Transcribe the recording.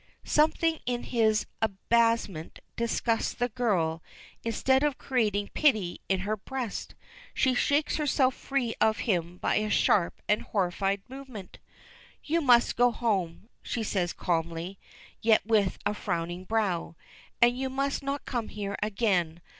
Something in his abasement disgusts the girl, instead of creating pity in her breast. She shakes herself free of him by a sharp and horrified movement. "You must go home," she says calmly, yet with a frowning brow, "and you must not come here again.